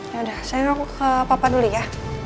yaudah saya nunggu ke papa dulu ya